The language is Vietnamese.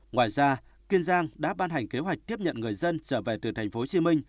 ngoài ra kiên giang đã ban hành kế hoạch tiếp nhận người dân trở về từ tp hcm